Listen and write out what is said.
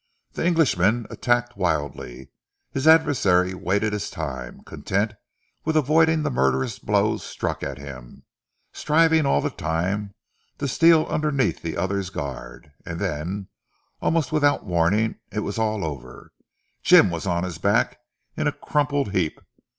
The Englishman attacked wildly. His adversary waited his time, content with avoiding the murderous blows struck at him, striving all the time to steal underneath the other's guard. And then, almost without warning, it was all over. Jim was on his back in a crumpled heap.